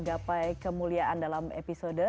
gapai kemuliaan dalam episode